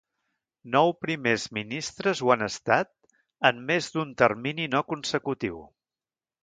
Nou primers ministres ho han estat en més d'un termini no consecutiu.